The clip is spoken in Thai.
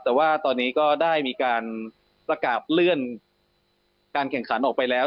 แต่ว่าตอนนี้ก็ได้มีการประกาศเลื่อนการแข่งขันออกไปแล้ว